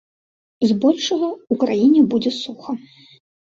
З большага, у краіне будзе суха.